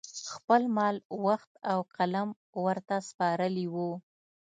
خپل مال، وخت او قلم ورته سپارلي وو